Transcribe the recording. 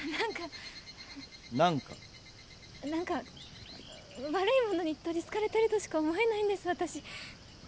なんか悪いものに取りつかれてるとしか思えないんです私。